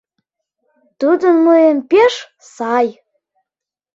Тудо мыйын пеш сай.